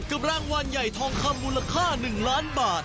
กับรางวัลใหญ่ทองคำมูลค่า๑ล้านบาท